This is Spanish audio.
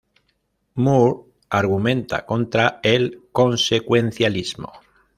Moore argumenta contra el Consecuencialismo.